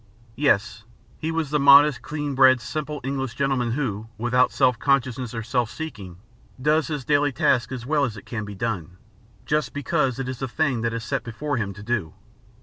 Yes, he was the modest, clean bred, simple English gentleman who, without self consciousness or self seeking, does his daily task as well as it can be done, just because it is the thing that is set before him to do.